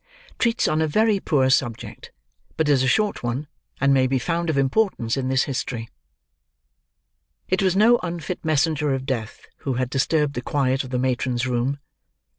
TREATS ON A VERY POOR SUBJECT. BUT IS A SHORT ONE, AND MAY BE FOUND OF IMPORTANCE IN THIS HISTORY It was no unfit messenger of death, who had disturbed the quiet of the matron's room.